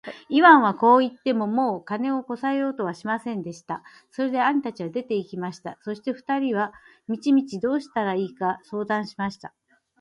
イワンはこう言って、もう金をこさえようとはしませんでした。それで兄たちは出て行きました。そして二人は道々どうしたらいいか相談しました。